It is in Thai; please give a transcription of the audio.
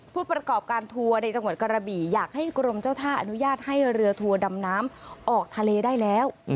ผู้ประกอบการทัวร์ในจังหวัดกระบี่อยากให้กรมเจ้าท่าอนุญาตให้เรือทัวร์ดำน้ำออกทะเลได้แล้ว